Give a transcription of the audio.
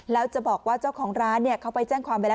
แล้วจะบอกว่าเจ้าของร้านเขาไปแจ้งความไปแล้ว